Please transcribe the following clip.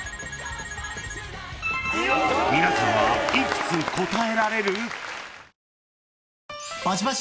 ［皆さんは幾つ答えられる？］